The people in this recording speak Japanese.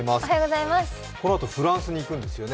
このあとフランスに行くんですよね。